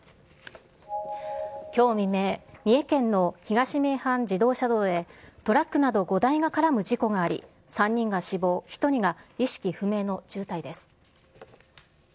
きょう未明、三重県の東名阪自動車道でトラックなど５台が絡む事故があり、３人が死亡、１人が意識不明の重体です。